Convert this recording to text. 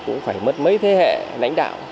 cũng phải mất mấy thế hệ lãnh đạo